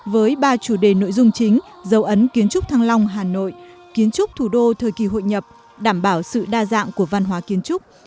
với ba chủ đề nội dung chính dấu ấn kiến trúc thăng long hà nội kiến trúc thủ đô thời kỳ hội nhập đảm bảo sự đa dạng của văn hóa kiến trúc